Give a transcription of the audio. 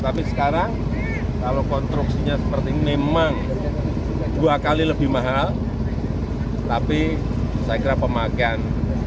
tapi sekarang kalau konstruksinya seperti ini memang dua kali lebih mahal tapi saya kira pemakaian